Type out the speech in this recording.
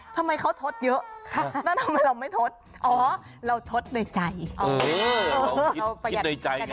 ทำไมเขาทดเยอะไม่ทดอ๋อเราทดในใจ